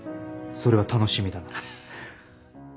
それは楽しみだな